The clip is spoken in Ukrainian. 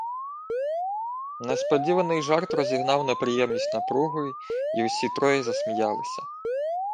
Несподіваний жарт розігнав неприємність напруги, й усі троє засміялися.